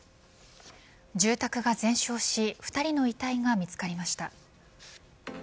住宅が全焼し２人の遺体が見つかりました。